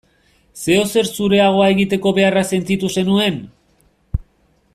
Zeozer zureagoa egiteko beharra sentitu zenuen?